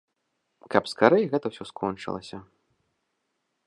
Каб скарэй гэта ўсё скончылася.